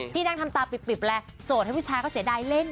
ที่นั่งทำตาปิบเลยโสดให้ผู้ชายเขาเสียดายเล่น